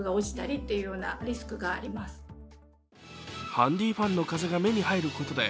ハンディファンの風が目に入ることで